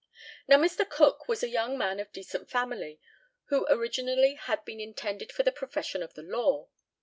Now, Mr. Cook was a young man of decent family, who originally had been intended for the profession of the law.